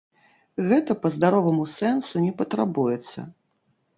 Гэта па здароваму сэнсу не патрабуецца.